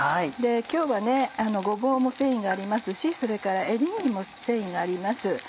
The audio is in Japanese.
今日はごぼうも繊維がありますしそれからエリンギも繊維があります。